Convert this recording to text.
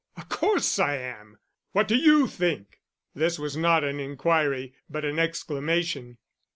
Of course I am. What do you think!" This was not an inquiry, but an exclamation.